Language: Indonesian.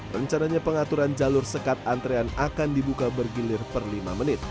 rencananya pengaturan jalur sekat antrean akan dibuka bergilir per lima menit